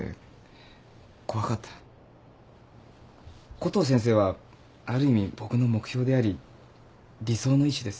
コトー先生はある意味僕の目標であり理想の医師です。